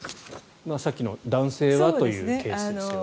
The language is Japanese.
さっきの男性はというケースですが。